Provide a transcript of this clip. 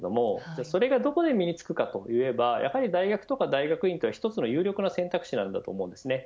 それがどこで身につくかといえばやはり大学や大学院は一つの有力な選択肢だと思います。